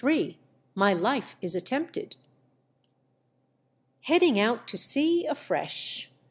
MV LIFE IS ATTEMPTED. Heading out to sea afresh